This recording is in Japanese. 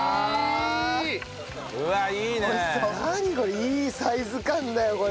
いいサイズ感だよこれ。